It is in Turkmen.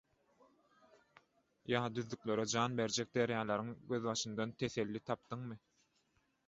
Ýa düzlüklere jan berjek derýalaryň gözbaşyndan teselli tapdyňmy.